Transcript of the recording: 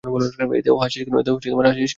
এত হাসিস কেন?